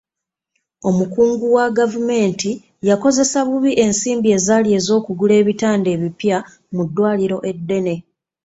Omukungu wa gavumenti yakozesa bubi ensimbi ezaali ez'okugula ebitanda ebipya mu ddwaliro eddene.